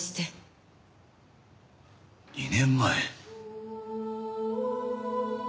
２年前。